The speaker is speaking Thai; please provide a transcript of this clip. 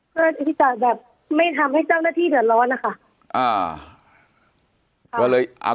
เพื่อที่จะแบบไม่ทำให้เจ้าหน้าที่เดือดร้อนนะคะ